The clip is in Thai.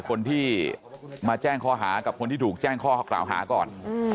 คนที่มาแจ้งข้อหากับคนที่ถูกแจ้งข้อกล่าวหาก่อน